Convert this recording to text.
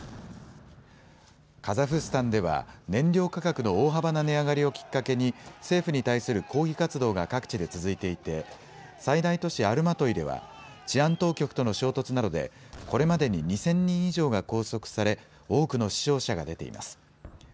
カザフスタンでは燃料価格の大幅な値上がりをきっかけに政府に対する抗議活動が各地で続いていて最大都市アルマトイでは治安当局との衝突などでこれまでに２０００人以上が拘束され多くの死傷者が出ています。